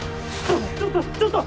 ちょっとちょっと！